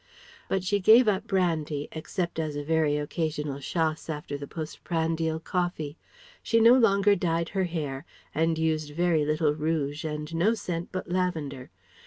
But she gave up brandy except as a very occasional chasse after the postprandial coffee. She no longer dyed her hair and used very little rouge and no scent but lavender.